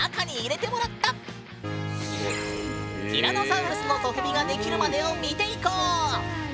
ティラノサウルスのソフビが出来るまでを見ていこう！